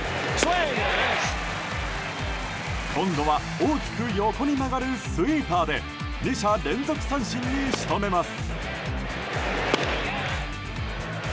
今度は大きく横に曲がるスイーパーで２者連続三振に仕留めます。